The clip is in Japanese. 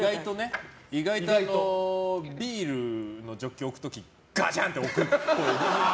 意外とビールのジョッキを置く時ガシャンって置くっぽい。